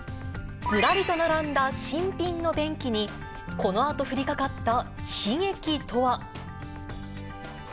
ずらりと並んだ新品の便器に、このあとふりかかった悲劇とは？